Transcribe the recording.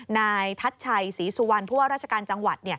นายทัศน์ชัยศรีสุวรรณพวกราชการจังหวัด